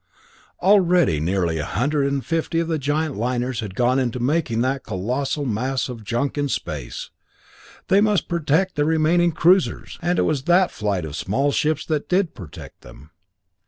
Already nearly a hundred and fifty of the giant liners had gone into making that colossal mass of junk in space. They must protect the remaining cruisers! And it was that flight of small ships that did protect them.